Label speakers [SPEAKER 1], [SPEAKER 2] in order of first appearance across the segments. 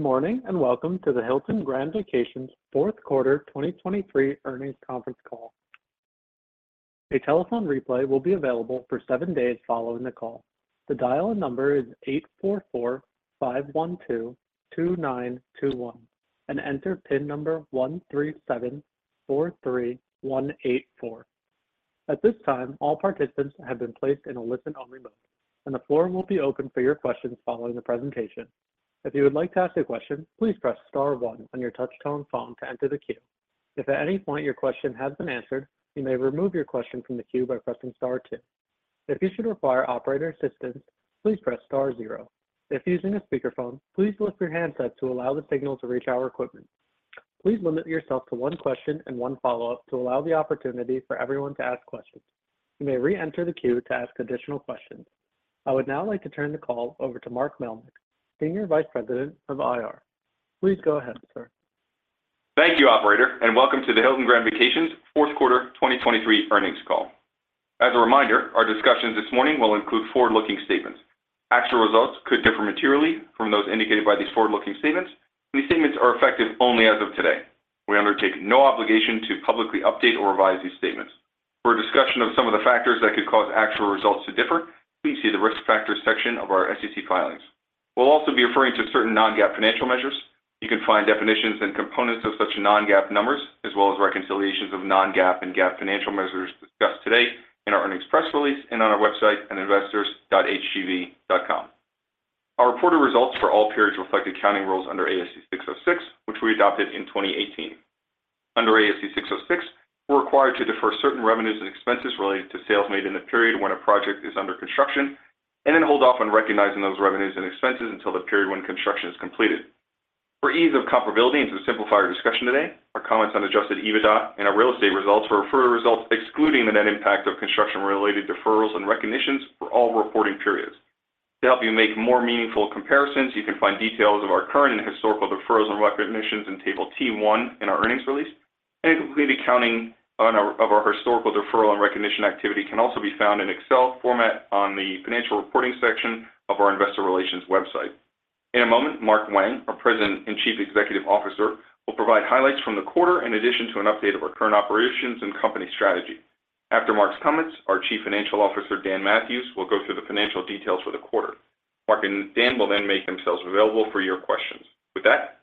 [SPEAKER 1] Good morning, and welcome to the Hilton Grand Vacations fourth quarter 2023 earnings conference call. A telephone replay will be available for seven days following the call. The dial-in number is 844-512-2921, and enter PIN number 13743184. At this time, all participants have been placed in a listen-only mode, and the floor will be open for your questions following the presentation. If you would like to ask a question, please press star one on your touchtone phone to enter the queue. If at any point your question has been answered, you may remove your question from the queue by pressing star two. If you should require operator assistance, please press star zero. If using a speakerphone, please lift your handset to allow the signal to reach our equipment. Please limit yourself to one question and one follow-up to allow the opportunity for everyone to ask questions. You may re-enter the queue to ask additional questions. I would now like to turn the call over to Mark Melnyk, Senior Vice President of IR. Please go ahead, sir.
[SPEAKER 2] Thank you, operator, and welcome to the Hilton Grand Vacations fourth quarter 2023 earnings call. As a reminder, our discussions this morning will include forward-looking statements. Actual results could differ materially from those indicated by these forward-looking statements, and these statements are effective only as of today. We undertake no obligation to publicly update or revise these statements. For a discussion of some of the factors that could cause actual results to differ, please see the Risk Factors section of our SEC filings. We'll also be referring to certain non-GAAP financial measures. You can find definitions and components of such non-GAAP numbers, as well as reconciliations of non-GAAP and GAAP financial measures discussed today in our earnings press release and on our website at investors.hgv.com. Our reported results for all periods reflect accounting rules under ASC 606, which we adopted in 2018. Under ASC 606, we're required to defer certain revenues and expenses related to sales made in the period when a project is under construction, and then hold off on recognizing those revenues and expenses until the period when construction is completed. For ease of comparability and to simplify our discussion today, our comments on Adjusted EBITDA and our real estate results refer to results excluding the net impact of construction-related deferrals and recognitions for all reporting periods. To help you make more meaningful comparisons, you can find details of our current and historical deferrals and recognitions in table T-1 in our earnings release, and a complete accounting of our historical deferral and recognition activity can also be found in Excel format on the Financial Reporting section of our Investor Relations website. In a moment, Mark Wang, our President and Chief Executive Officer, will provide highlights from the quarter in addition to an update of our current operations and company strategy. After Mark's comments, our Chief Financial Officer, Dan Mathewes, will go through the financial details for the quarter. Mark and Dan will then make themselves available for your questions. With that,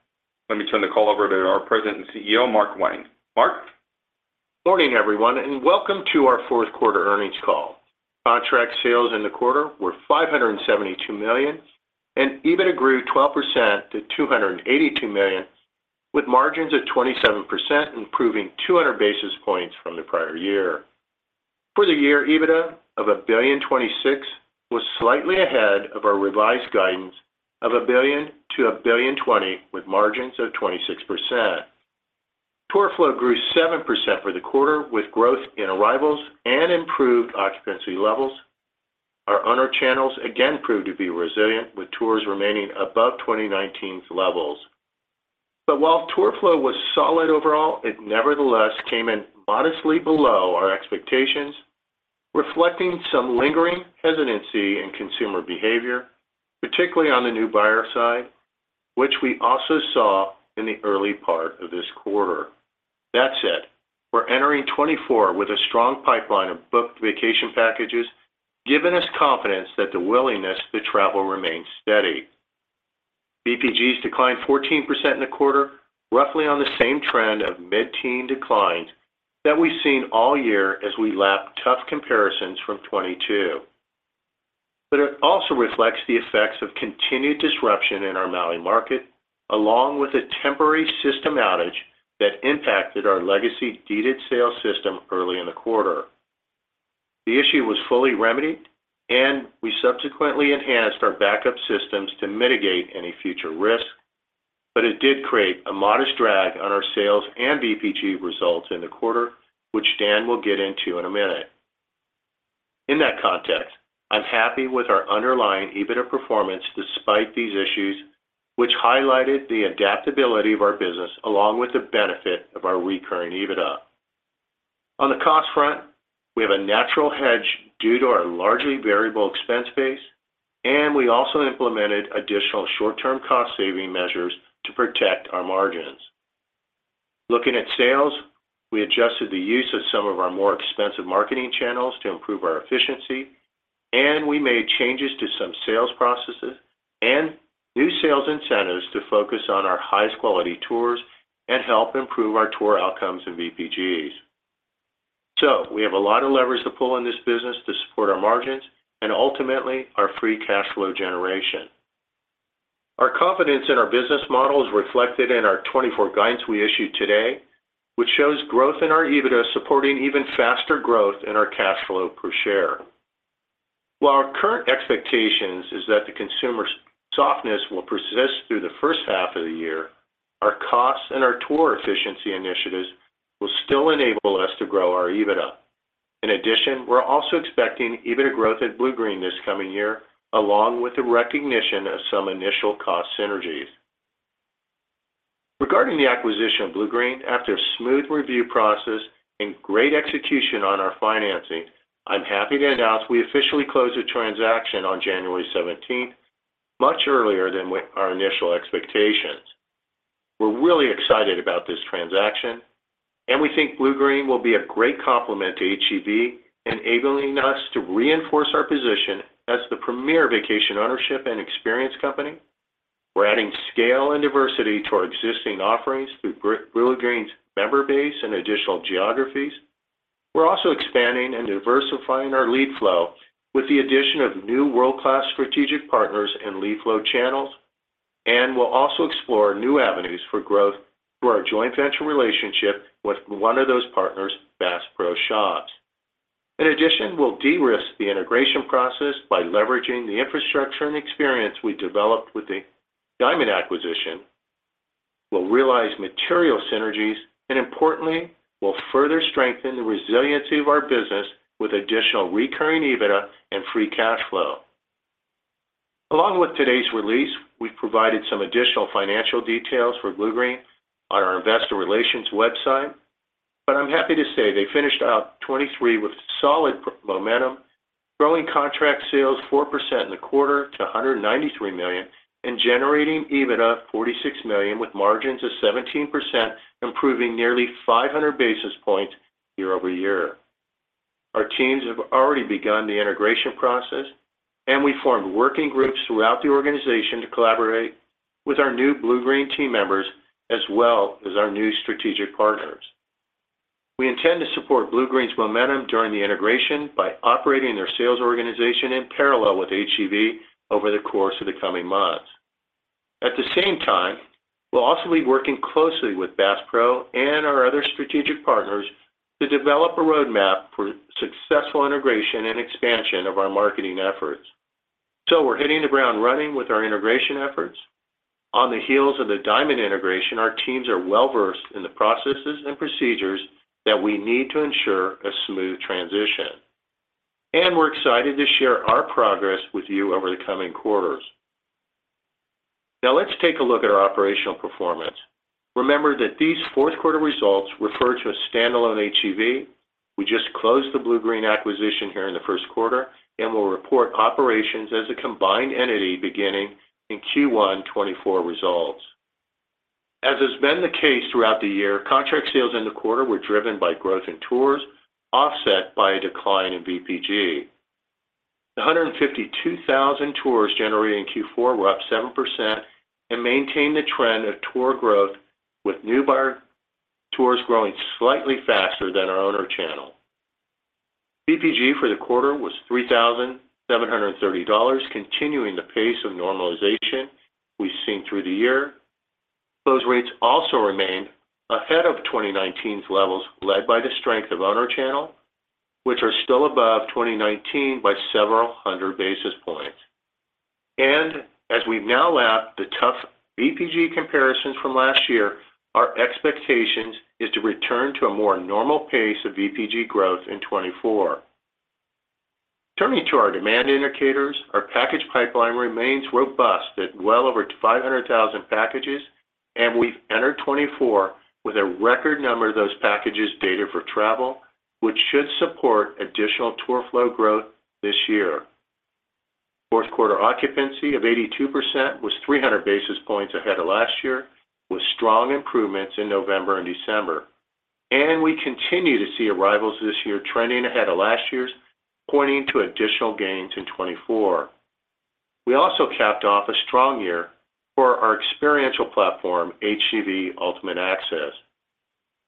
[SPEAKER 2] let me turn the call over to our President and CEO, Mark Wang. Mark?
[SPEAKER 3] Morning, everyone, and welcome to our fourth quarter earnings call. Contract sales in the quarter were $572 million, and EBITDA grew 12% to $282 million, with margins at 27%, improving 200 basis points from the prior year. For the year, EBITDA of $1.026 billion was slightly ahead of our revised guidance of $1 billion-$1.02 billion, with margins of 26%. Tour flow grew 7% for the quarter, with growth in arrivals and improved occupancy levels. Our owner channels again proved to be resilient, with tours remaining above 2019's levels. But while tour flow was solid overall, it nevertheless came in modestly below our expectations, reflecting some lingering hesitancy in consumer behavior, particularly on the new buyer side, which we also saw in the early part of this quarter. That said, we're entering 2024 with a strong pipeline of booked vacation packages, giving us confidence that the willingness to travel remains steady. VPGs declined 14% in the quarter, roughly on the same trend of mid-teen declines that we've seen all year as we lap tough comparisons from 2022. But it also reflects the effects of continued disruption in our Maui market, along with a temporary system outage that impacted our legacy deeded sales system early in the quarter. The issue was fully remedied, and we subsequently enhanced our backup systems to mitigate any future risk, but it did create a modest drag on our sales and VPG results in the quarter, which Dan will get into in a minute. In that context, I'm happy with our underlying EBITDA performance despite these issues, which highlighted the adaptability of our business along with the benefit of our recurring EBITDA. On the cost front, we have a natural hedge due to our largely variable expense base, and we also implemented additional short-term cost-saving measures to protect our margins. Looking at sales, we adjusted the use of some of our more expensive marketing channels to improve our efficiency, and we made changes to some sales processes and new sales incentives to focus on our highest quality tours and help improve our tour outcomes and VPGs. So we have a lot of levers to pull in this business to support our margins and ultimately our free cash flow generation. Our confidence in our business model is reflected in our 2024 guidance we issued today, which shows growth in our EBITDA supporting even faster growth in our cash flow per share. While our current expectations is that the consumer softness will persist through the first half of the year, our costs and our tour efficiency initiatives will still enable us to grow our EBITDA. In addition, we're also expecting EBITDA growth at Bluegreen this coming year, along with the recognition of some initial cost synergies. Regarding the acquisition of Bluegreen, after a smooth review process and great execution on our financing, I'm happy to announce we officially closed the transaction on January seventeenth, much earlier than our initial expectations. We're really excited about this transaction, and we think Bluegreen will be a great complement to HGV, enabling us to reinforce our position as the premier vacation ownership and experience company. We're adding scale and diversity to our existing offerings through Bluegreen's member base and additional geographies. We're also expanding and diversifying our lead flow with the addition of new world-class strategic partners and lead flow channels, and we'll also explore new avenues for growth through our joint venture relationship with one of those partners, Bass Pro Shops. In addition, we'll de-risk the integration process by leveraging the infrastructure and experience we developed with the Diamond acquisition. We'll realize material synergies, and importantly, we'll further strengthen the resiliency of our business with additional recurring EBITDA and free cash flow. Along with today's release, we've provided some additional financial details for Bluegreen on our investor relations website, but I'm happy to say they finished out 2023 with solid momentum, growing contract sales 4% in the quarter to $193 million, and generating EBITDA $46 million, with margins of 17%, improving nearly 500 basis points year-over-year. Our teams have already begun the integration process, and we formed working groups throughout the organization to collaborate with our new Bluegreen team members, as well as our new strategic partners. We intend to support Bluegreen's momentum during the integration by operating their sales organization in parallel with HGV over the course of the coming months. At the same time, we'll also be working closely with Bass Pro and our other strategic partners to develop a roadmap for successful integration and expansion of our marketing efforts. So we're hitting the ground running with our integration efforts. On the heels of the Diamond integration, our teams are well-versed in the processes and procedures that we need to ensure a smooth transition, and we're excited to share our progress with you over the coming quarters. Now, let's take a look at our operational performance. Remember that these fourth quarter results refer to a standalone HGV. We just closed the Bluegreen acquisition here in the first quarter, and we'll report operations as a combined entity beginning in Q1 2024 results. As has been the case throughout the year, contract sales in the quarter were driven by growth in tours, offset by a decline in VPG. The 152,000 tours generated in Q4 were up 7% and maintained the trend of tour growth, with new buyer tours growing slightly faster than our owner channel. VPG for the quarter was $3,730, continuing the pace of normalization we've seen through the year. Close rates also remained ahead of 2019's levels, led by the strength of owner channel, which are still above 2019 by several hundred basis points. As we've now lapped the tough VPG comparisons from last year, our expectations is to return to a more normal pace of VPG growth in 2024. Turning to our demand indicators, our package pipeline remains robust at well over 500,000 packages, and we've entered 2024 with a record number of those packages dated for travel, which should support additional tour flow growth this year. Fourth quarter occupancy of 82% was 300 basis points ahead of last year, with strong improvements in November and December. We continue to see arrivals this year trending ahead of last year's, pointing to additional gains in 2024. We also capped off a strong year for our experiential platform, HGV Ultimate Access.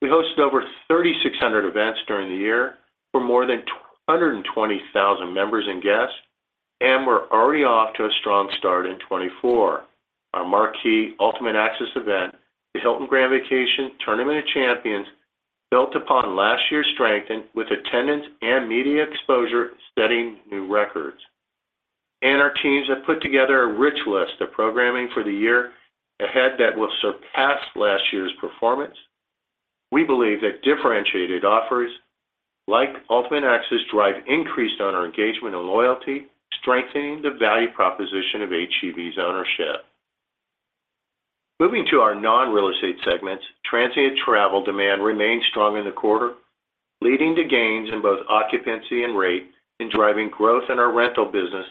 [SPEAKER 3] We hosted over 3,600 events during the year for more than 220,000 members and guests, and we're already off to a strong start in 2024. Our marquee Ultimate Access event, the Hilton Grand Vacations Tournament of Champions, built upon last year's strength, with attendance and media exposure setting new records. Our teams have put together a rich list of programming for the year ahead that will surpass last year's performance. We believe that differentiated offers like Ultimate Access drive increased owner engagement and loyalty, strengthening the value proposition of HGV's ownership. Moving to our non-real estate segments, transient travel demand remained strong in the quarter, leading to gains in both occupancy and rate, and driving growth in our rental business,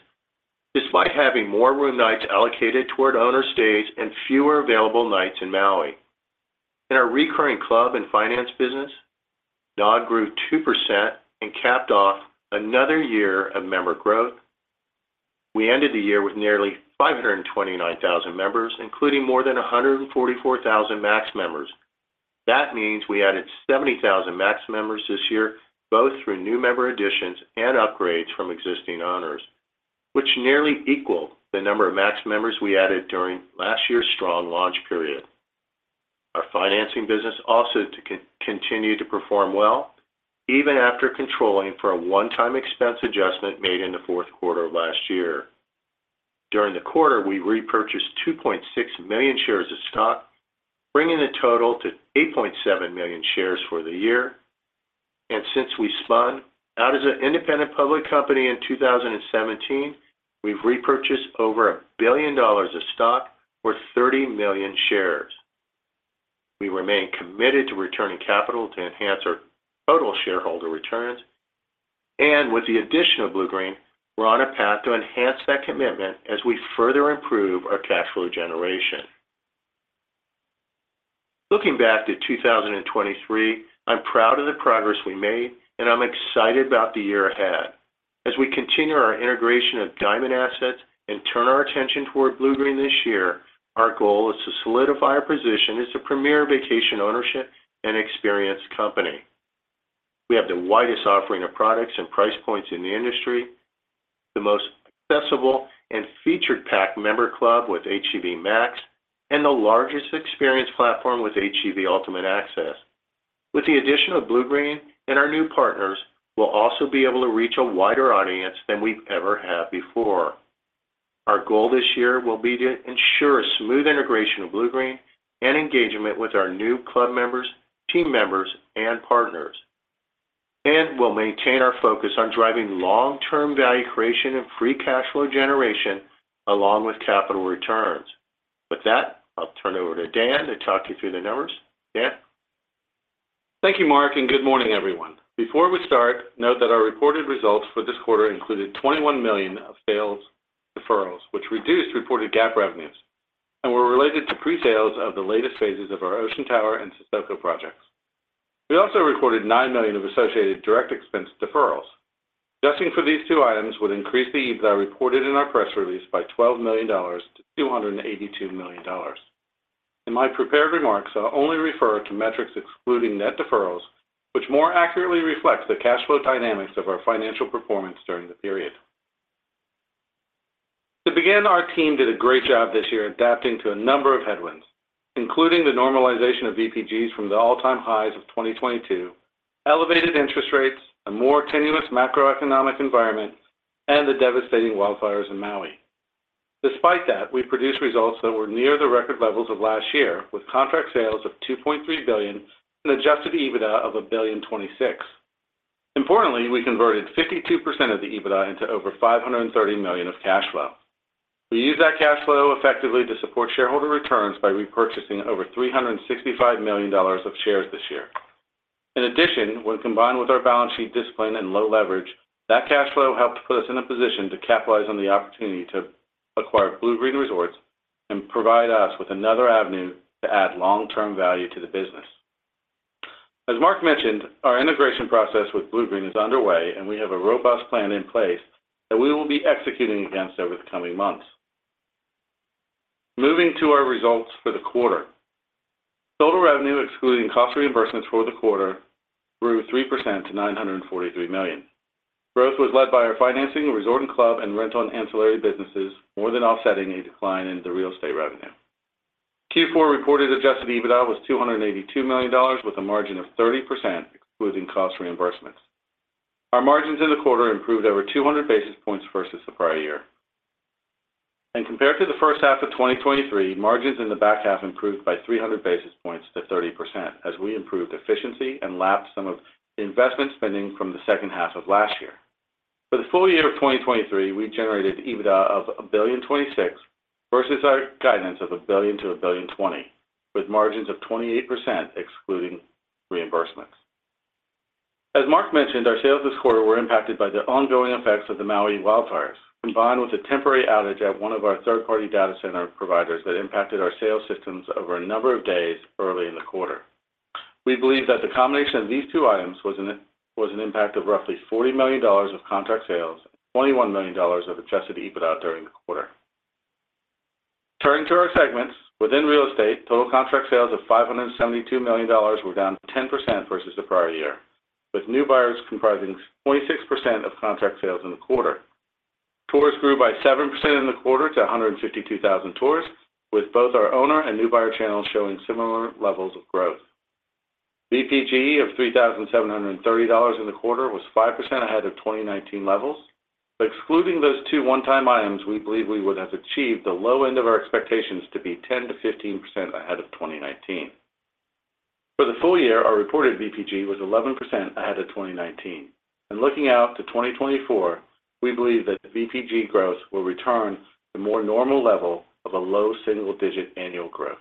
[SPEAKER 3] despite having more room nights allocated toward owner stays and fewer available nights in Maui. In our recurring club and finance business, NOD grew 2% and capped off another year of member growth. We ended the year with nearly 529,000 members, including more than 144,000 Max members. That means we added 70,000 Max members this year, both through new member additions and upgrades from existing owners, which nearly equal the number of Max members we added during last year's strong launch period. Our financing business also continued to perform well, even after controlling for a one-time expense adjustment made in the fourth quarter of last year. During the quarter, we repurchased 2.6 million shares of stock, bringing the total to 8.7 million shares for the year. Since we spun out as an independent public company in 2017, we've repurchased over $1 billion of stock or 30 million shares. We remain committed to returning capital to enhance our total shareholder returns, and with the additional Bluegreen, we're on a path to enhance that commitment as we further improve our cash flow generation. Looking back to 2023, I'm proud of the progress we made, and I'm excited about the year ahead. As we continue our integration of Diamond assets and turn our attention toward Bluegreen this year, our goal is to solidify our position as a premier vacation ownership and experience company. We have the widest offering of products and price points in the industry, the most accessible and featured packed member club with HGV Max, and the largest experience platform with HGV Ultimate Access. With the addition of Bluegreen and our new partners, we'll also be able to reach a wider audience than we've ever had before. Our goal this year will be to ensure a smooth integration of Bluegreen and engagement with our new club members, team members, and partners. We'll maintain our focus on driving long-term value creation and free cash flow generation along with capital returns. With that, I'll turn it over to Dan to talk you through the numbers. Dan?
[SPEAKER 4] Thank you, Mark, and good morning, everyone. Before we start, note that our reported results for this quarter included $21 million of sales deferrals, which reduced reported GAAP revenues and were related to presales of the latest phases of our Ocean Tower and Sesoko projects. We also recorded $9 million of associated direct expense deferrals. Adjusting for these two items would increase the EBITDA reported in our press release by $12 million-$282 million. In my prepared remarks, I'll only refer to metrics excluding net deferrals, which more accurately reflects the cash flow dynamics of our financial performance during the period. To begin, our team did a great job this year adapting to a number of headwinds, including the normalization of VPGs from the all-time highs of 2022, elevated interest rates, a more tenuous macroeconomic environment, and the devastating wildfires in Maui. Despite that, we produced results that were near the record levels of last year, with contract sales of $2.3 billion and Adjusted EBITDA of $1.026 billion. Importantly, we converted 52% of the EBITDA into over $530 million of cash flow. We used that cash flow effectively to support shareholder returns by repurchasing over $365 million of shares this year. In addition, when combined with our balance sheet discipline and low leverage, that cash flow helped to put us in a position to capitalize on the opportunity to acquire Bluegreen Resorts and provide us with another avenue to add long-term value to the business. As Mark mentioned, our integration process with Bluegreen is underway, and we have a robust plan in place that we will be executing against over the coming months. Moving to our results for the quarter. Total revenue, excluding cost reimbursements for the quarter, grew 3% to $943 million. Growth was led by our financing, resort and club, and rent on ancillary businesses, more than offsetting a decline in the real estate revenue. Q4 reported adjusted EBITDA was $282 million, with a margin of 30%, excluding cost reimbursements. Our margins in the quarter improved over 200 basis points versus the prior year. Compared to the first half of 2023, margins in the back half improved by 300 basis points to 30% as we improved efficiency and lapsed some of the investment spending from the second half of last year. For the full year of 2023, we generated EBITDA of $1.026 billion versus our guidance of $1 billion-$1.02 billion, with margins of 28%, excluding reimbursements. As Mark mentioned, our sales this quarter were impacted by the ongoing effects of the Maui wildfires, combined with a temporary outage at one of our third-party data center providers that impacted our sales systems over a number of days early in the quarter. We believe that the combination of these two items was an impact of roughly $40 million of contract sales, $21 million of adjusted EBITDA during the quarter. Turning to our segments. Within real estate, total contract sales of $572 million were down 10% versus the prior year, with new buyers comprising 26% of contract sales in the quarter. Tours grew by 7% in the quarter to 152,000 tours, with both our owner and new buyer channels showing similar levels of growth. VPG of $3,730 in the quarter was 5% ahead of 2019 levels, but excluding those two one-time items, we believe we would have achieved the low end of our expectations to be 10%-15% ahead of 2019. For the full year, our reported VPG was 11% ahead of 2019, and looking out to 2024, we believe that VPG growth will return to more normal level of a low single-digit annual growth.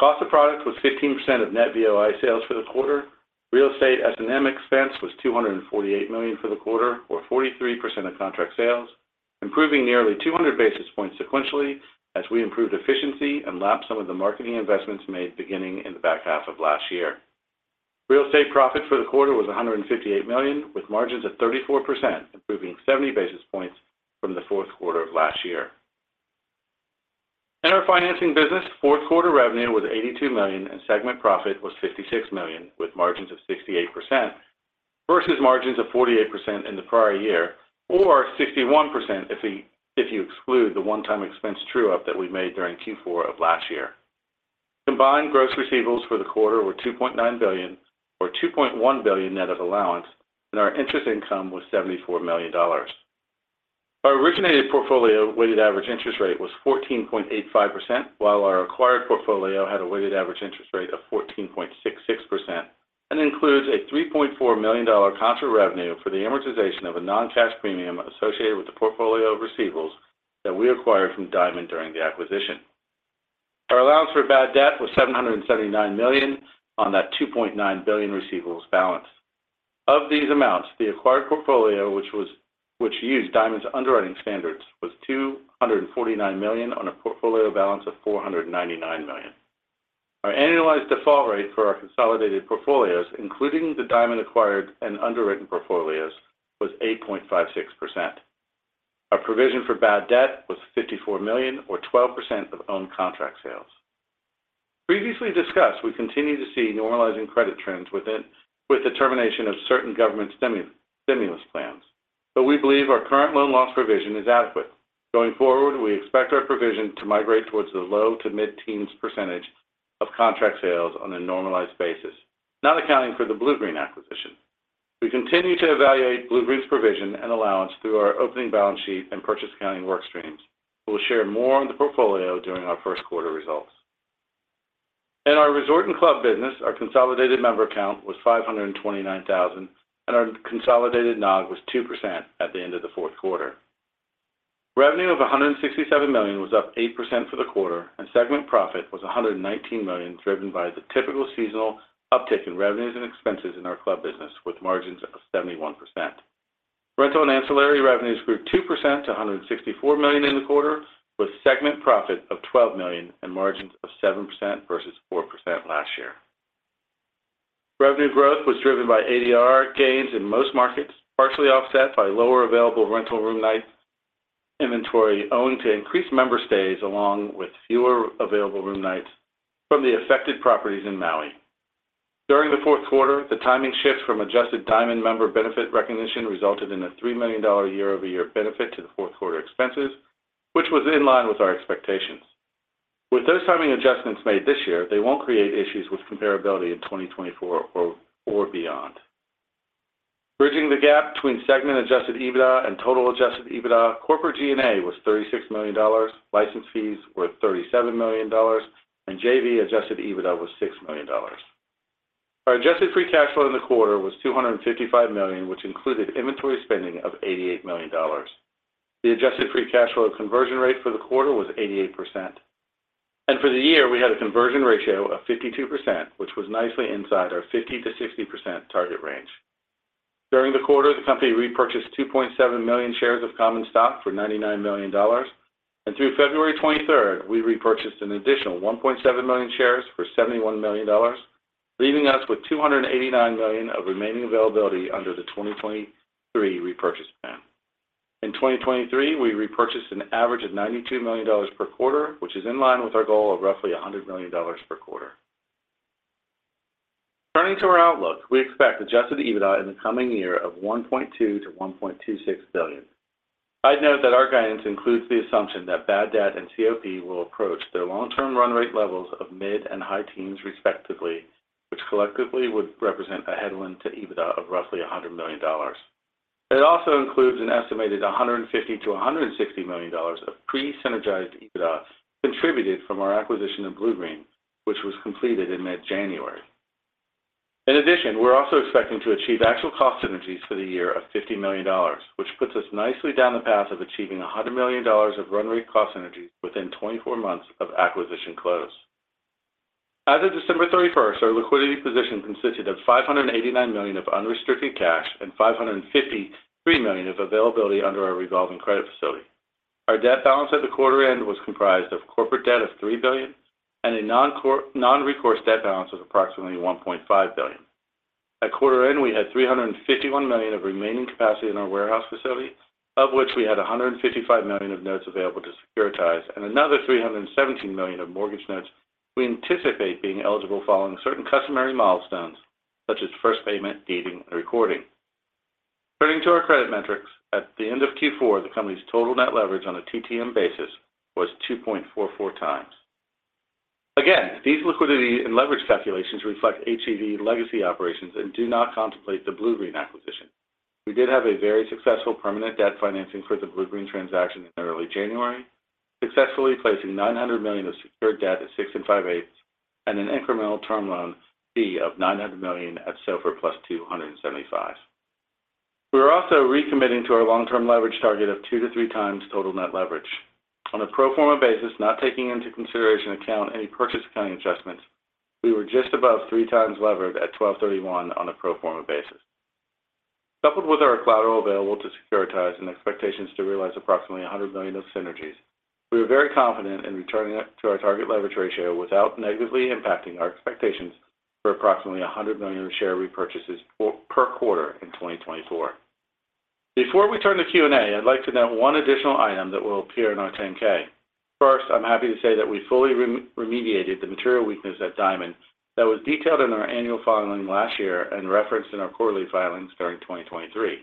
[SPEAKER 4] Cost of product was 15% of net VOI sales for the quarter. Real estate S&M expense was $248 million for the quarter, or 43% of contract sales, improving nearly 200 basis points sequentially as we improved efficiency and lapsed some of the marketing investments made beginning in the back half of last year. Real estate profit for the quarter was $158 million, with margins of 34%, improving 70 basis points from the fourth quarter of last year. In our financing business, fourth quarter revenue was $82 million, and segment profit was $56 million, with margins of 68%, versus margins of 48% in the prior year, or 61% if you exclude the one-time expense trueup that we made during Q4 of last year. Combined gross receivables for the quarter were $2.9 billion, or $2.1 billion net of allowance, and our interest income was $74 million. Our originated portfolio weighted average interest rate was 14.85%, while our acquired portfolio had a weighted average interest rate of 14.66% and includes a $3.4 million contra revenue for the amortization of a non-cash premium associated with the portfolio of receivables that we acquired from Diamond during the acquisition. Our allowance for bad debt was $779 million on that $2.9 billion receivables balance. Of these amounts, the acquired portfolio, which used Diamond's underwriting standards, was $249 million on a portfolio balance of $499 million. Our annualized default rate for our consolidated portfolios, including the Diamond acquired and underwritten portfolios, was 8.56%. Our provision for bad debt was $54 million, or 12% of own contract sales. Previously discussed, we continue to see normalizing credit trends with the termination of certain government stimulus plans, but we believe our current loan loss provision is adequate. Going forward, we expect our provision to migrate towards the low to mid-teens % of contract sales on a normalized basis, not accounting for the Bluegreen acquisition. We continue to evaluate Bluegreen's provision and allowance through our opening balance sheet and purchase accounting work streams. We'll share more on the portfolio during our first quarter results. In our resort and club business, our consolidated member count was 529,000, and our consolidated NOG was 2% at the end of the fourth quarter. Revenue of $167 million was up 8% for the quarter, and segment profit was $119 million, driven by the typical seasonal uptick in revenues and expenses in our club business, with margins of 71%. Rental and ancillary revenues grew 2% to $164 million in the quarter, with segment profit of $12 million and margins of 7% versus 4% last year. Revenue growth was driven by ADR gains in most markets, partially offset by lower available rental room nights, inventory owing to increased member stays, along with fewer available room nights from the affected properties in Maui. During the fourth quarter, the timing shift from adjusted Diamond member benefit recognition resulted in a $3 million year-over-year benefit to the fourth quarter expenses, which was in line with our expectations. With those timing adjustments made this year, they won't create issues with comparability in 2024 or beyond. Bridging the gap between segment adjusted EBITDA and total adjusted EBITDA, corporate G&A was $36 million, license fees were $37 million, and JV adjusted EBITDA was $6 million. Our adjusted free cash flow in the quarter was $255 million, which included inventory spending of $88 million. The adjusted free cash flow conversion rate for the quarter was 88%, and for the year, we had a conversion ratio of 52%, which was nicely inside our 50%-60% target range. During the quarter, the company repurchased 2.7 million shares of common stock for $99 million, and through February 23, we repurchased an additional 1.7 million shares for $71 million, leaving us with $289 million of remaining availability under the 2023 repurchase plan. In 2023, we repurchased an average of $92 million per quarter, which is in line with our goal of roughly $100 million per quarter. Turning to our outlook, we expect Adjusted EBITDA in the coming year of $1.2 billion-$1.26 billion. I'd note that our guidance includes the assumption that bad debt and COP will approach their long-term run rate levels of mid-teens and high-teens, respectively, which collectively would represent a headwind to EBITDA of roughly $100 million. It also includes an estimated $150 million-$160 million of pre-synergized EBITDA contributed from our acquisition of Bluegreen, which was completed in mid-January. In addition, we're also expecting to achieve actual cost synergies for the year of $50 million, which puts us nicely down the path of achieving $100 million of run rate cost synergies within 24 months of acquisition close. As of December 31, our liquidity position consisted of $589 million of unrestricted cash and $553 million of availability under our revolving credit facility. Our debt balance at the quarter end was comprised of corporate debt of $3 billion and a non-recourse debt balance of approximately $1.5 billion. At quarter end, we had $351 million of remaining capacity in our warehouse facility, of which we had $155 million of notes available to securitize and another $317 million of mortgage notes we anticipate being eligible following certain customary milestones, such as first payment, dating, and recording. Turning to our credit metrics, at the end of Q4, the company's total net leverage on a TTM basis was 2.44 times. Again, these liquidity and leverage calculations reflect HGV legacy operations and do not contemplate the Bluegreen acquisition. We did have a very successful permanent debt financing for the Bluegreen transaction in early January, successfully placing $900 million of secured debt at 6 5/8 and an incremental term loan B of $900 million at SOFR + 275. We are also recommitting to our long-term leverage target of 2-3x total net leverage. On a pro forma basis, not taking into account any purchase accounting adjustments, we were just above 3x leverage at 12/31 on a pro forma basis. Coupled with our collateral available to securitize and expectations to realize approximately $100 million of synergies, we are very confident in returning up to our target leverage ratio without negatively impacting our expectations for approximately $100 million share repurchases per quarter in 2024. Before we turn to Q&A, I'd like to note one additional item that will appear in our 10-K. First, I'm happy to say that we fully remediated the material weakness at Diamond that was detailed in our annual filing last year and referenced in our quarterly filings during 2023.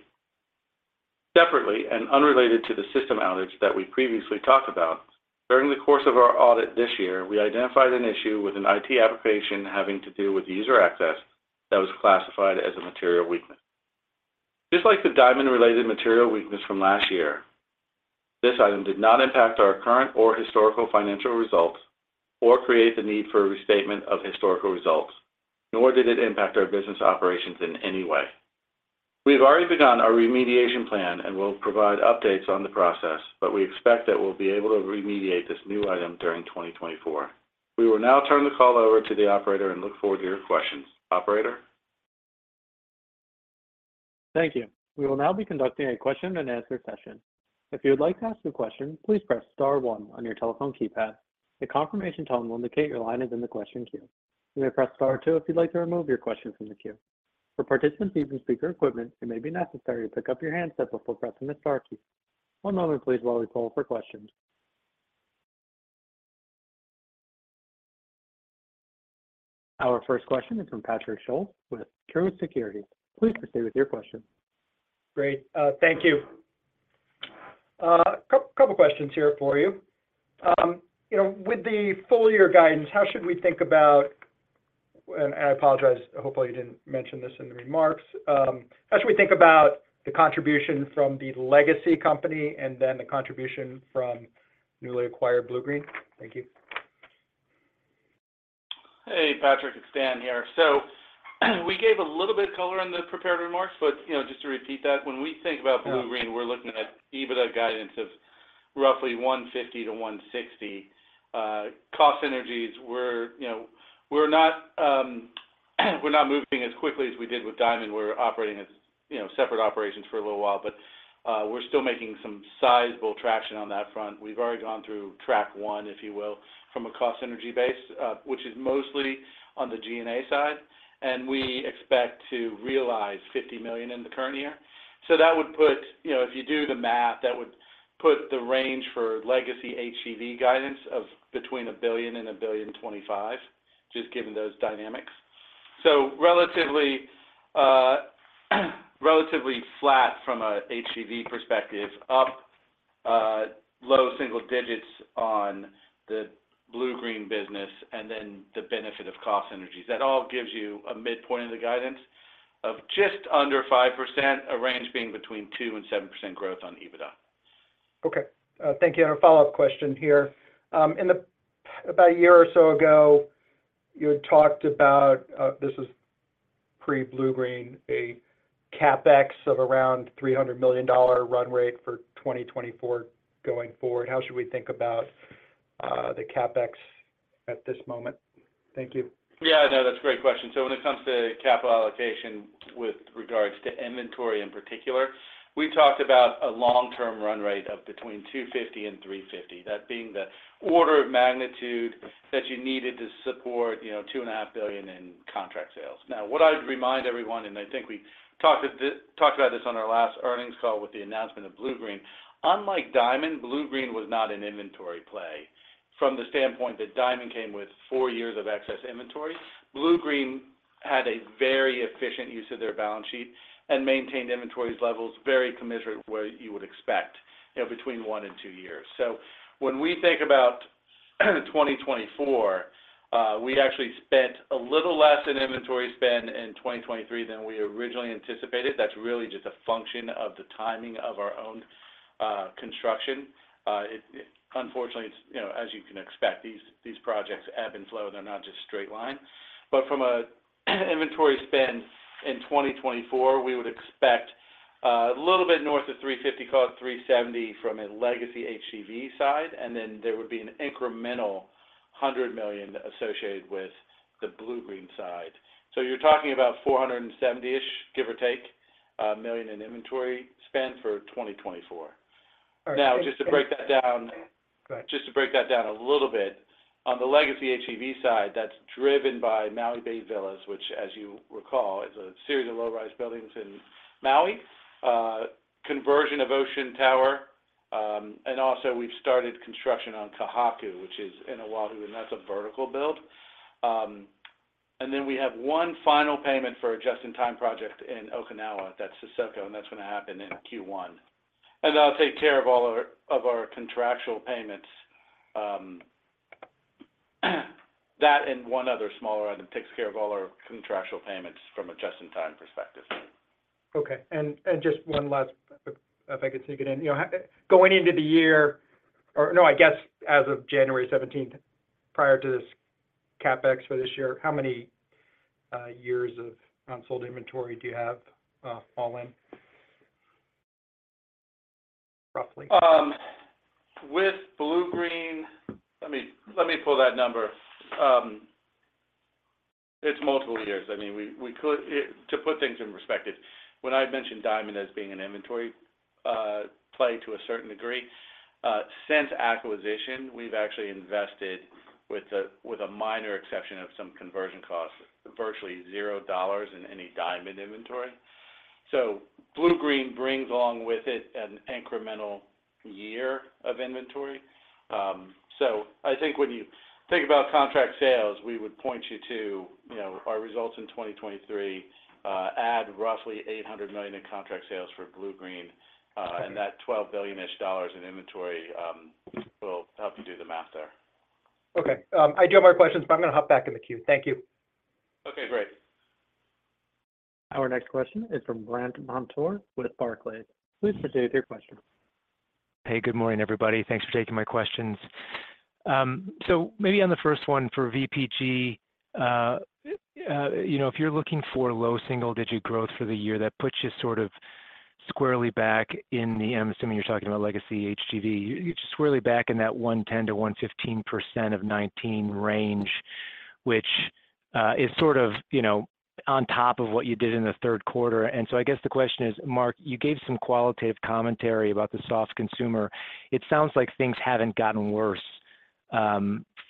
[SPEAKER 4] Separately, and unrelated to the system outage that we previously talked about, during the course of our audit this year, we identified an issue with an IT application having to do with user access... that was classified as a material weakness. Just like the Diamond-related material weakness from last year, this item did not impact our current or historical financial results or create the need for a restatement of historical results, nor did it impact our business operations in any way. We've already begun our remediation plan, and we'll provide updates on the process, but we expect that we'll be able to remediate this new item during 2024. We will now turn the call over to the operator and look forward to your questions. Operator?
[SPEAKER 1] Thank you. We will now be conducting a question and answer session. If you would like to ask a question, please press star one on your telephone keypad. A confirmation tone will indicate your line is in the question queue. You may press star two if you'd like to remove your question from the queue. For participants using speaker equipment, it may be necessary to pick up your handset before pressing the star key. One moment please while we poll for questions. Our first question is from Patrick Scholes with Truist Securities. Please proceed with your question.
[SPEAKER 5] Great. Thank you. Couple questions here for you. You know, with the full year guidance, how should we think about, and, and I apologize, hopefully, you didn't mention this in the remarks. How should we think about the contribution from the legacy company and then the contribution from newly acquired Bluegreen? Thank you.
[SPEAKER 4] Hey, Patrick, it's Dan here. So we gave a little bit of color in the prepared remarks, but, you know, just to repeat that, when we think about Bluegreen-
[SPEAKER 5] Yeah...
[SPEAKER 4] we're looking at EBITDA guidance of roughly $150-$160. Cost synergies, we're, you know, we're not moving as quickly as we did with Diamond. We're operating as, you know, separate operations for a little while, but we're still making some sizable traction on that front. We've already gone through track one, if you will, from a cost synergy base, which is mostly on the G&A side, and we expect to realize $50 million in the current year. So that would put- You know, if you do the math, that would put the range for legacy HGV guidance of between $1 billion and $1.025 billion, just given those dynamics. So relatively, relatively flat from a HGV perspective, up, low single digits on the Bluegreen business, and then the benefit of cost synergies. That all gives you a midpoint of the guidance of just under 5%, a range being between 2% and 7% growth on EBITDA.
[SPEAKER 5] Okay. Thank you. A follow-up question here. About a year or so ago, you had talked about, this was pre-Bluegreen, a CapEx of around $300 million run rate for 2024 going forward. How should we think about the CapEx at this moment? Thank you.
[SPEAKER 4] Yeah, no, that's a great question. So when it comes to capital allocation, with regards to inventory in particular, we've talked about a long-term run rate of between 250 and 350. That being the order of magnitude that you needed to support, you know, $2.5 billion in contract sales. Now, what I'd remind everyone, and I think we talked about this on our last earnings call with the announcement of Bluegreen: unlike Diamond, Bluegreen was not an inventory play from the standpoint that Diamond came with four years of excess inventory. Bluegreen had a very efficient use of their balance sheet and maintained inventory levels, very commensurate with what you would expect, you know, between 1 and 2 years. So when we think about 2024, we actually spent a little less in inventory spend in 2023 than we originally anticipated. That's really just a function of the timing of our own construction. Unfortunately, it's, you know, as you can expect, these projects ebb and flow, they're not just straight line. But from a inventory spend in 2024, we would expect a little bit north of $350 million, call it $370 million, from a legacy HGV side, and then there would be an incremental $100 million associated with the Bluegreen side. So you're talking about $470 million-ish, give or take, million in inventory spend for 2024.
[SPEAKER 5] All right.
[SPEAKER 4] Now, just to break that down-
[SPEAKER 5] Go ahead.
[SPEAKER 4] Just to break that down a little bit, on the legacy HGV side, that's driven by Maui Bay Villas, which, as you recall, is a series of low-rise buildings in Maui, conversion of Ocean Tower, and also we've started construction on Kahuku, which is in Oahu, and that's a vertical build. And then we have one final payment for a just-in-time project in Okinawa. That's Sasebo, and that's gonna happen in Q1. And that'll take care of all our, of our contractual payments, that and one other smaller item takes care of all our contractual payments from a just-in-time perspective.
[SPEAKER 5] Okay. And just one last, if I could sneak it in. You know, going into the year or... no, I guess as of January seventeenth, prior to this CapEx for this year, how many years of unsold inventory do you have, all in, roughly?
[SPEAKER 4] With Bluegreen... Let me pull that number. It's multiple years. I mean, we could to put things in perspective, when I mentioned Diamond as being an inventory play to a certain degree, since acquisition, we've actually invested, with a minor exception of some conversion costs, virtually zero dollars in any Diamond inventory. So Bluegreen brings along with it an incremental year of inventory. So I think when you think about contract sales, we would point you to, you know, our results in 2023, add roughly $800 million in contract sales for Bluegreen, and that $12 billion-ish dollars in inventory will help you do the math there....
[SPEAKER 5] Okay. I do have more questions, but I'm gonna hop back in the queue. Thank you.
[SPEAKER 3] Okay, great.
[SPEAKER 1] Our next question is from Brandt Montour with Barclays. Please proceed with your question.
[SPEAKER 6] Hey, good morning, everybody. Thanks for taking my questions. So maybe on the first one for VPG, you know, if you're looking for low single-digit growth for the year, that puts you sort of squarely back in the—I'm assuming you're talking about legacy HGV. You're squarely back in that 110%-115% of 2019 range, which is sort of, you know, on top of what you did in the third quarter. So I guess the question is, Mark, you gave some qualitative commentary about the soft consumer. It sounds like things haven't gotten worse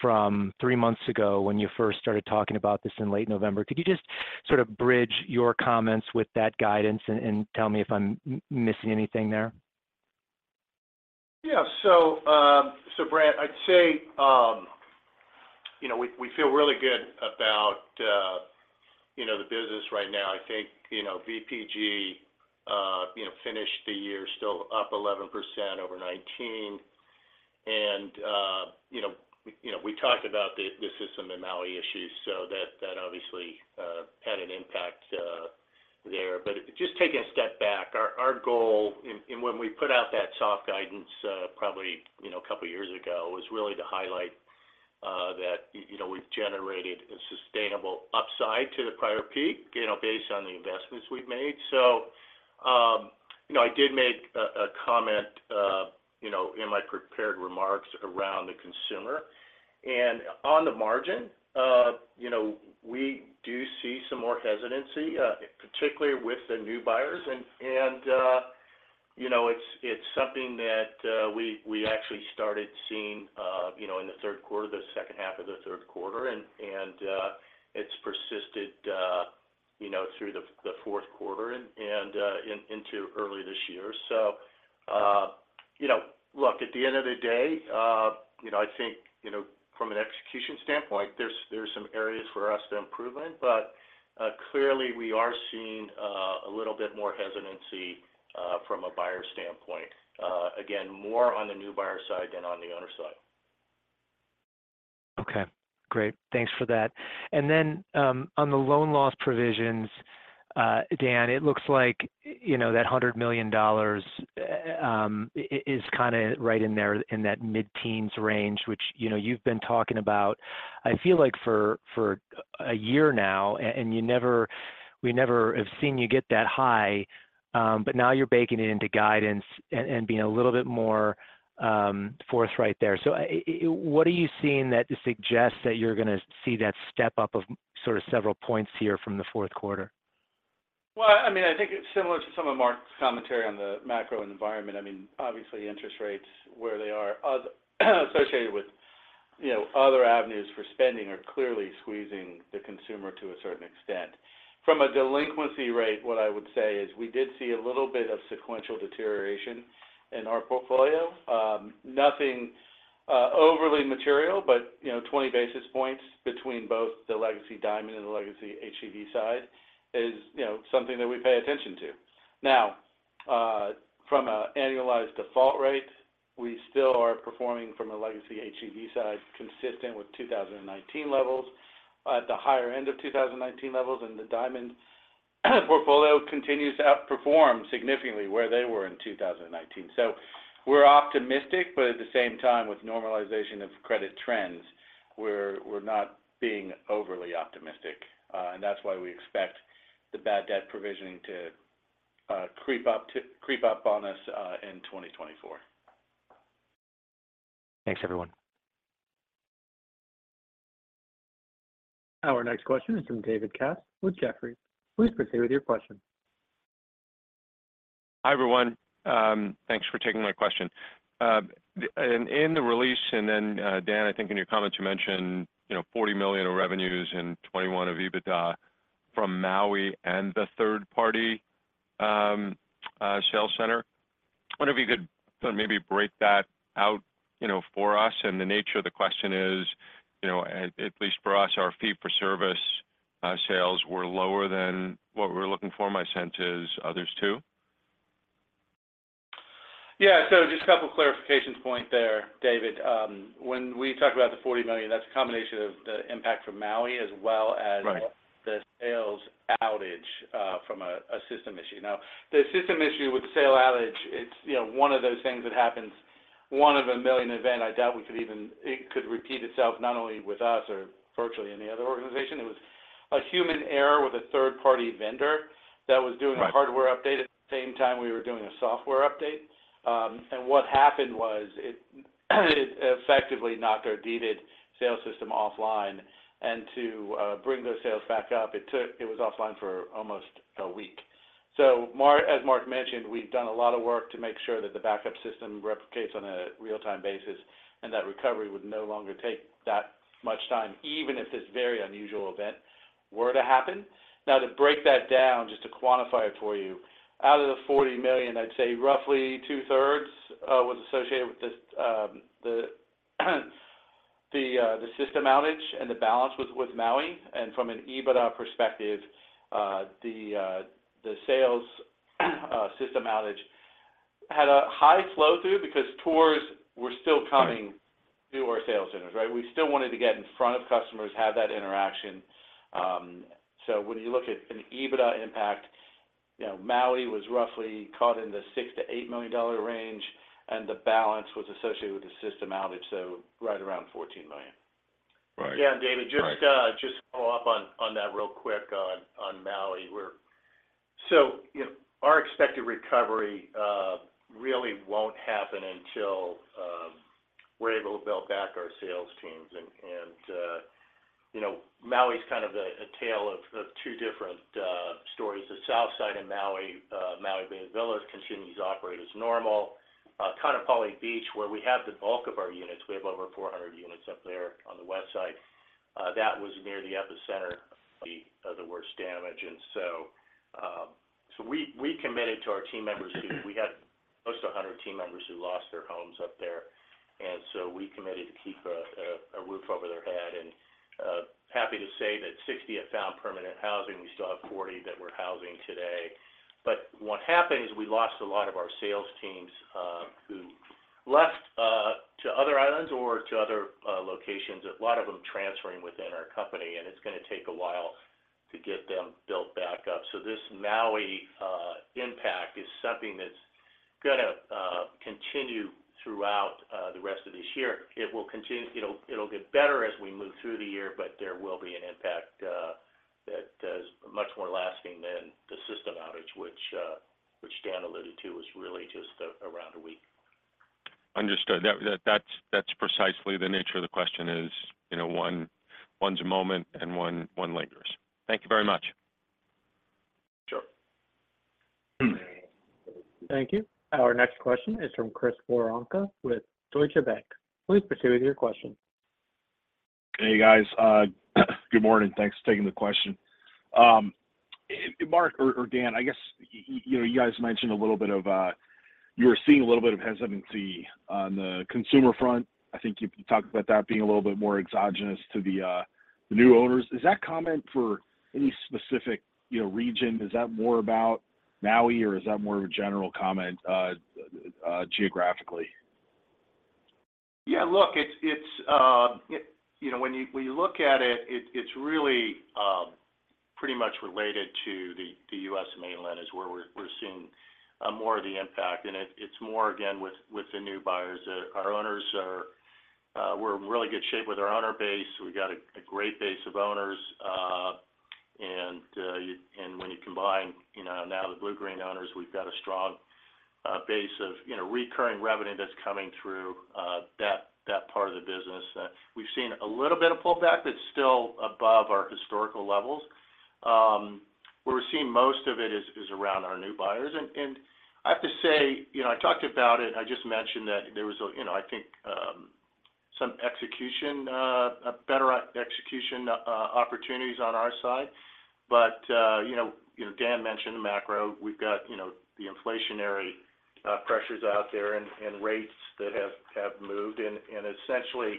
[SPEAKER 6] from three months ago when you first started talking about this in late November. Could you just sort of bridge your comments with that guidance and tell me if I'm missing anything there?
[SPEAKER 3] Yeah. So, Brant, I'd say, you know, we feel really good about, you know, the business right now. I think, you know, VPG finished the year still up 11% over 2019. And, you know, we talked about the system and Maui issues, so that obviously had an impact there. But just taking a step back, our goal and when we put out that soft guidance, probably a couple of years ago, was really to highlight that you know, we've generated a sustainable upside to the prior peak, you know, based on the investments we've made. So, you know, I did make a comment, you know, in my prepared remarks around the consumer. On the margin, you know, we do see some more hesitancy, particularly with the new buyers. You know, it's something that we actually started seeing, you know, in the third quarter, the second half of the third quarter, and it's persisted, you know, through the fourth quarter and into early this year. So, you know, look, at the end of the day, you know, I think, you know, from an execution standpoint, there's some areas for us to improve in, but clearly we are seeing a little bit more hesitancy from a buyer standpoint. Again, more on the new buyer side than on the owner side.
[SPEAKER 6] Okay, great. Thanks for that. And then, on the loan loss provisions, Dan, it looks like, you know, that $100 million, is kinda right in there in that mid-teens range, which, you know, you've been talking about, I feel like for, for a year now, and you never-- we never have seen you get that high, but now you're baking it into guidance and, and being a little bit more, forthright there. So what are you seeing that suggests that you're gonna see that step up of sort of several points here from the fourth quarter?
[SPEAKER 4] Well, I mean, I think it's similar to some of Mark's commentary on the macro environment. I mean, obviously, interest rates, where they are, associated with, you know, other avenues for spending, are clearly squeezing the consumer to a certain extent. From a delinquency rate, what I would say is we did see a little bit of sequential deterioration in our portfolio. Nothing overly material, but, you know, 20 basis points between both the legacy Diamond and the legacy HGV side is, you know, something that we pay attention to. Now, from a annualized default rate, we still are performing from a legacy HGV side, consistent with 2019 levels, the higher end of 2019 levels, and the Diamond portfolio continues to outperform significantly where they were in 2019. So we're optimistic, but at the same time, with normalization of credit trends, we're not being overly optimistic, and that's why we expect the bad debt provisioning to creep up on us in 2024.
[SPEAKER 6] Thanks, everyone.
[SPEAKER 1] Our next question is from David Katz with Jefferies. Please proceed with your question.
[SPEAKER 7] Hi, everyone. Thanks for taking my question. And in the release, and then, Dan, I think in your comments, you mentioned, you know, $40 million of revenues and $21 million of EBITDA from Maui and the third-party sales center. I wonder if you could maybe break that out, you know, for us, and the nature of the question is, you know, at least for us, our fee for service sales were lower than what we were looking for. My sense is others, too?
[SPEAKER 4] Yeah, so just a couple of clarifications point there, David. When we talk about the $40 million, that's a combination of the impact from Maui as well as-
[SPEAKER 7] Right...
[SPEAKER 4] the sales outage from a system issue. Now, the system issue with the sale outage, it's, you know, one of those things that happens one in a million event. I doubt we could even, it could repeat itself, not only with us or virtually any other organization. It was a human error with a third-party vendor that was doing-
[SPEAKER 7] Right
[SPEAKER 4] A hardware update at the same time we were doing a software update. And what happened was, it effectively knocked our deeded sales system offline, and to bring those sales back up, it took- it was offline for almost a week. So as Mark mentioned, we've done a lot of work to make sure that the backup system replicates on a real-time basis, and that recovery would no longer take that much time, even if this very unusual event were to happen. Now, to break that down, just to quantify it for you, out of the $40 million, I'd say roughly two-thirds was associated with this, the system outage, and the balance was with Maui. And from an EBITDA perspective, the sales system outage... had a high flow through because tours were still coming to our sales centers, right? We still wanted to get in front of customers, have that interaction. So when you look at an EBITDA impact, you know, Maui was roughly caught in the $6 million-$8 million range, and the balance was associated with the system outage, so right around $14 million.
[SPEAKER 7] Right.
[SPEAKER 3] Yeah, David-
[SPEAKER 7] Right.
[SPEAKER 3] Just follow up on that real quick on Maui. We're. So, you know, our expected recovery really won't happen until we're able to build back our sales teams. And you know, Maui is kind of a tale of two different stories. The south side of Maui, Maui Villas, continues to operate as normal. Kaanapali Beach, where we have the bulk of our units, we have over 400 units up there on the west side, that was near the epicenter of the worst damage. And so we committed to our team members, who we had close to 100 team members who lost their homes up there, and so we committed to keep a roof over their head. And happy to say that 60 have found permanent housing. We still have 40 that we're housing today. But what happened is we lost a lot of our sales teams, who left to other islands or to other locations, a lot of them transferring within our company, and it's gonna take a while to get them built back up. So this Maui impact is something that's gonna continue throughout the rest of this year. It will continue—it'll, it'll get better as we move through the year, but there will be an impact that is much more lasting than the system outage, which, which Dan alluded to, was really just around a week.
[SPEAKER 7] Understood. That's precisely the nature of the question, you know, one's a moment and one lingers. Thank you very much.
[SPEAKER 3] Sure.
[SPEAKER 7] Mm-hmm.
[SPEAKER 1] Thank you. Our next question is from Chris Woronka with Deutsche Bank. Please proceed with your question.
[SPEAKER 8] Hey, guys, good morning. Thanks for taking the question. Mark or, or Dan, I guess, you know, you guys mentioned a little bit of, you were seeing a little bit of hesitancy on the consumer front. I think you talked about that being a little bit more exogenous to the, the new owners. Is that comment for any specific, you know, region? Is that more about Maui, or is that more of a general comment, geographically?
[SPEAKER 3] Yeah, look, it's... You know, when you look at it, it's really pretty much related to the U.S. mainland, is where we're seeing more of the impact, and it's more, again, with the new buyers. Our owners are... We're in really good shape with our owner base. We got a great base of owners, and when you combine, you know, now the Bluegreen owners, we've got a strong base of, you know, recurring revenue that's coming through that part of the business. We've seen a little bit of pullback, but still above our historical levels. Where we're seeing most of it is around our new buyers. I have to say, you know, I talked about it. I just mentioned that there was a, you know, I think, some execution, a better execution, opportunities on our side. But you know, Dan mentioned the macro. We've got, you know, the inflationary pressures out there and rates that have moved. And essentially,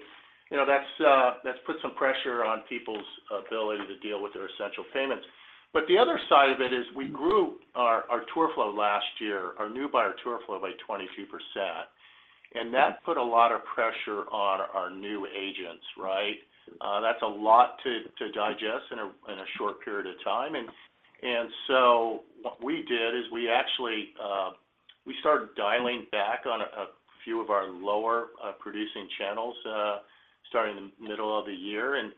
[SPEAKER 3] you know, that's put some pressure on people's ability to deal with their essential payments. But the other side of it is we grew our tour flow last year, our new buyer tour flow by 22%, and that put a lot of pressure on our new agents, right? That's a lot to digest in a short period of time. So what we did is we actually started dialing back on a few of our lower producing channels starting in the middle of the year, and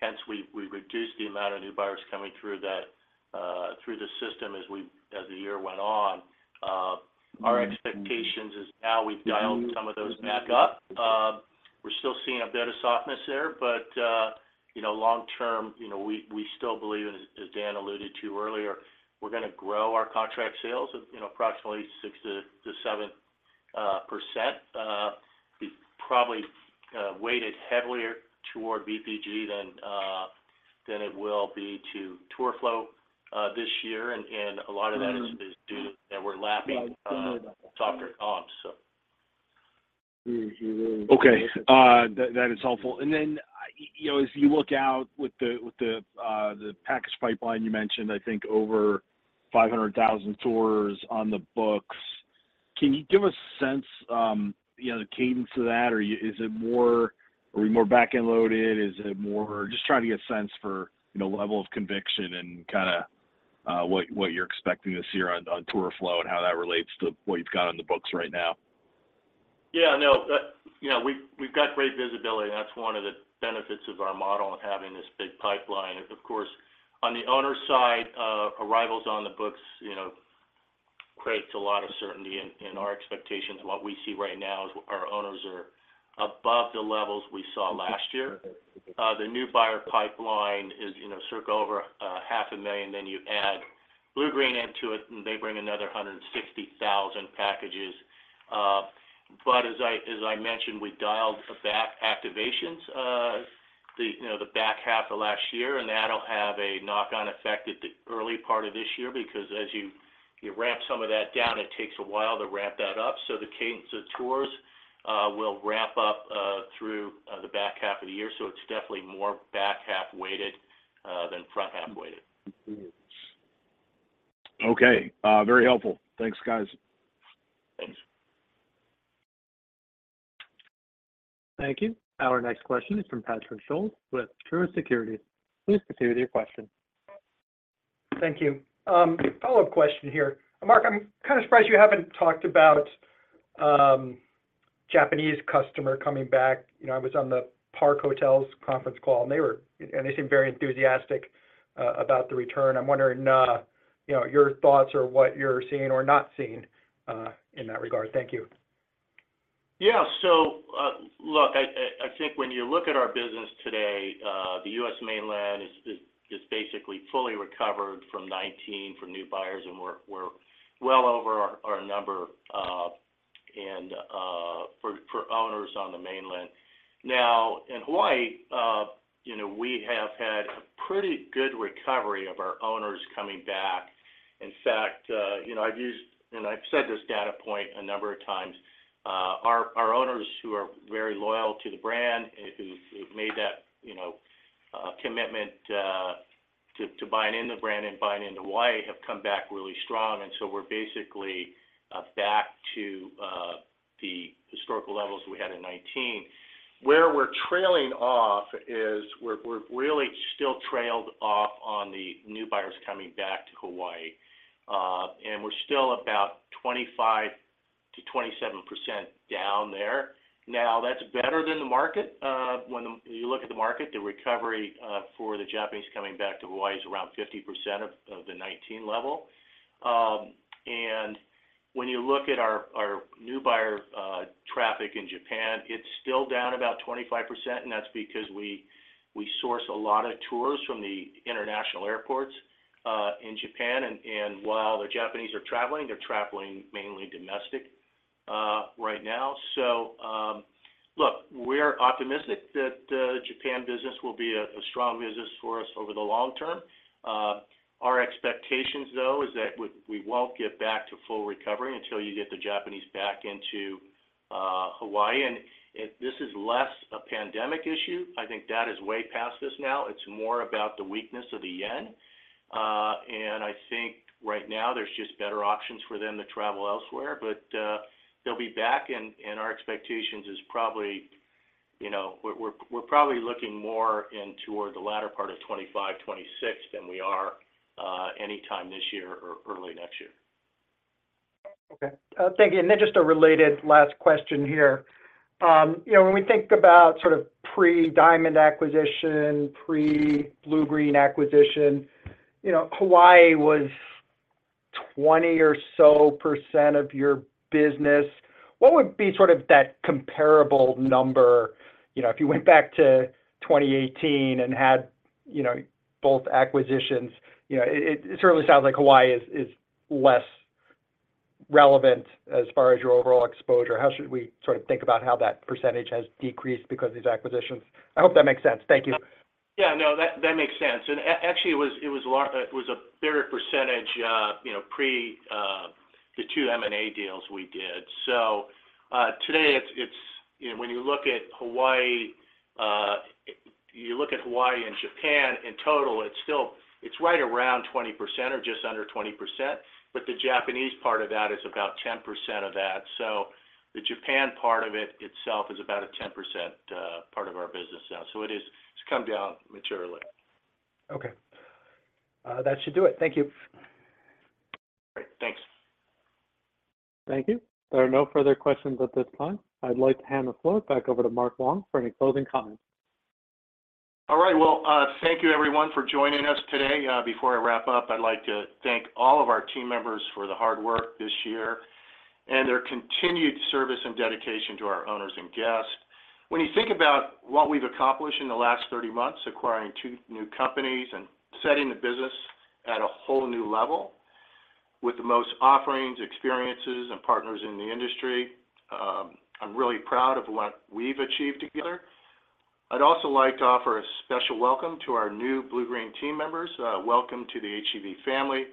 [SPEAKER 3] hence we reduced the amount of new buyers coming through that through the system as the year went on. Our expectations is now we've dialed some of those back up. We're still seeing a bit of softness there, but you know, long term, you know, we still believe, and as Dan alluded to earlier, we're gonna grow our contract sales of approximately 6%-7%. Probably weighted heavier toward VPG than it will be to tour flow this year, and a lot of that is due that we're lapping softer comps, so.
[SPEAKER 8] Okay. That is helpful. And then, you know, as you look out with the package pipeline, you mentioned, I think, over 500,000 tours on the books. Can you give a sense, you know, the cadence of that, or is it more, are we more back-end loaded? Is it more... Just trying to get a sense for, you know, level of conviction and kinda what you're expecting this year on tour flow and how that relates to what you've got on the books right now.
[SPEAKER 3] Yeah, no, you know, we've got great visibility. That's one of the benefits of our model, having this big pipeline. Of course, on the owner side, arrivals on the books, you know, creates a lot of certainty in our expectations. What we see right now is our owners are above the levels we saw last year. The new buyer pipeline is, you know, circa over 500,000, then you add Bluegreen into it, and they bring another 160,000 packages. But as I mentioned, we dialed back activations, you know, the back half of last year, and that'll have a knock-on effect at the early part of this year, because as you ramp some of that down, it takes a while to-... The cadence of tours will wrap up through the back half of the year, so it's definitely more back half weighted than front half weighted.
[SPEAKER 8] Okay. Very helpful. Thanks, guys.
[SPEAKER 3] Thanks.
[SPEAKER 1] Thank you. Our next question is from Patrick Scholes with Truist Securities. Please proceed with your question.
[SPEAKER 5] Thank you. Follow-up question here. Mark, I'm kind of surprised you haven't talked about Japanese customer coming back. You know, I was on the Park Hotels conference call, and they seemed very enthusiastic about the return. I'm wondering, you know, your thoughts or what you're seeing or not seeing in that regard. Thank you.
[SPEAKER 3] Yeah. So, look, I think when you look at our business today, the U.S. mainland is basically fully recovered from 2019 for new buyers, and we're well over our number, and for owners on the mainland. Now, in Hawaii, you know, we have had a pretty good recovery of our owners coming back. In fact, you know, I've used and I've said this data point a number of times, our owners who are very loyal to the brand, who've made that, you know, commitment to buying in the brand and buying into Hawaii, have come back really strong, and so we're basically back to the historical levels we had in 2019. Where we're trailing off is we're really still trailing off on the new buyers coming back to Hawaii, and we're still about 25%-27% down there. Now, that's better than the market. When you look at the market, the recovery for the Japanese coming back to Hawaii is around 50% of the 2019 level. And when you look at our new buyer traffic in Japan, it's still down about 25%, and that's because we source a lot of tours from the international airports in Japan. And while the Japanese are traveling, they're traveling mainly domestic right now. So, look, we're optimistic that Japan business will be a strong business for us over the long term. Our expectations, though, is that we won't get back to full recovery until you get the Japanese back into Hawaii. And this is less a pandemic issue. I think that is way past this now. It's more about the weakness of the yen. And I think right now there's just better options for them to travel elsewhere. But they'll be back, and our expectations is probably, you know... We're probably looking more in toward the latter part of 2025, 2026 than we are anytime this year or early next year.
[SPEAKER 5] Okay. Thank you. And then just a related last question here. You know, when we think about sort of pre-Diamond acquisition, pre-Bluegreen acquisition, you know, Hawaii was 20% or so of your business. What would be sort of that comparable number? You know, if you went back to 2018 and had, you know, both acquisitions, you know, it, it certainly sounds like Hawaii is, is less relevant as far as your overall exposure. How should we sort of think about how that percentage has decreased because of these acquisitions? I hope that makes sense. Thank you.
[SPEAKER 3] Yeah. No, that makes sense. And actually, it was a bigger percentage, you know, pre the two M&A deals we did. So today, it's you know, when you look at Hawaii, you look at Hawaii and Japan in total, it's still it's right around 20% or just under 20%, but the Japanese part of that is about 10% of that. So the Japan part of it itself is about a 10% part of our business now. So it is it's come down materially.
[SPEAKER 5] Okay. That should do it. Thank you.
[SPEAKER 3] Great. Thanks.
[SPEAKER 1] Thank you. There are no further questions at this time. I'd like to hand the floor back over to Mark Wang for any closing comments.
[SPEAKER 3] All right. Well, thank you everyone for joining us today. Before I wrap up, I'd like to thank all of our team members for the hard work this year and their continued service and dedication to our owners and guests. When you think about what we've accomplished in the last 30 months, acquiring two new companies and setting the business at a whole new level with the most offerings, experiences, and partners in the industry, I'm really proud of what we've achieved together. I'd also like to offer a special welcome to our new Bluegreen team members. Welcome to the HGV family.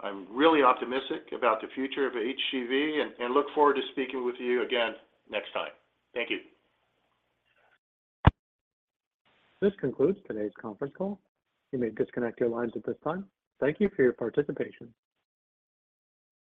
[SPEAKER 3] I'm really optimistic about the future of HGV and look forward to speaking with you again next time. Thank you.
[SPEAKER 1] This concludes today's conference call. You may disconnect your lines at this time. Thank you for your participation.